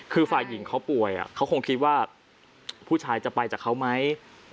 คือฝ่ายหญิงเขาป่วยเขาคงคิดว่าผู้ชายจะไปจากเขาไหม